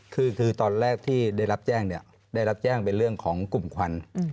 คือตอนแรกที่ได้รับแจ้งเนี่ยได้รับแจ้งเป็นเรื่องของกลุ่มควัน